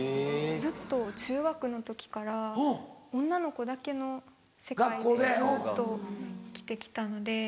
ずっと中学の時から女の子だけの世界でずっと生きて来たので。